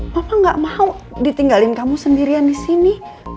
bapak gak mau ditinggalin kamu sendirian di sini